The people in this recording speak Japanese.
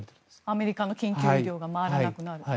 アメリカの緊急医療が回らなくなる。